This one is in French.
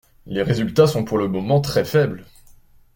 Les résultats sont pour le moment très faibles.